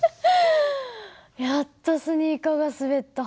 やっとスニーカーが滑った。